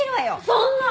そんな！